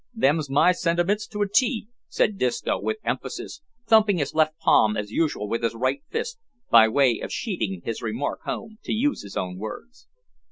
"Them's my sentiments to a tee," said Disco, with emphasis, thumping his left palm as usual with his right fist, by way of sheating his remark home to use his own words.